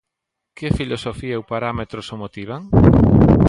¿Que filosofía ou parámetros o motivan?